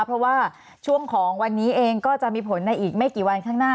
เพราะว่าช่วงของวันนี้เองก็จะมีผลในอีกไม่กี่วันข้างหน้า